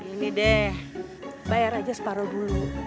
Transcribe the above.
ini deh bayar aja separuh dulu